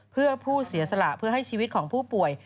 เพื่อผู้เสียสละเพื่อให้ชีวิตของผู้ป่วย